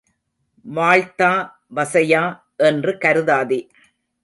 வாழ்த்தா, வசையா என்று கருதாதே.